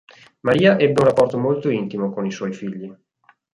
Maria ebbe un rapporto molto intimo con i suoi figli.